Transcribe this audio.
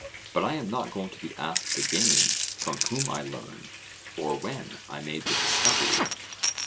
But I am not going to be asked again from whom I learned, or when I made the discovery.